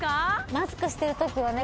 マスクしてる時はね